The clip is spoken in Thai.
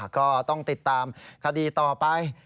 ก็ต้องติดตามคดีต่อไป